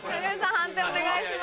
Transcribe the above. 判定お願いします。